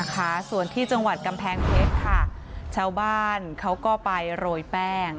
ค่ะส่วนที่จังหวัดกำแพงเพชรค่ะชาวบ้านเขาก็ไปโรยแป้ง